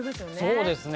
そうですね。